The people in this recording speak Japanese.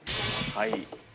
はい。